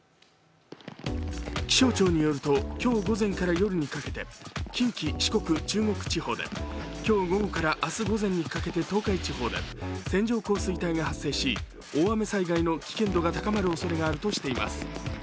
気象庁によると今日午前から夜にかけて近畿・四国・中国地方で今日午後から明日午前にかけて東海地方で線状降水帯が発生し大雨災害の危険度が高まるおそれがあるとしています。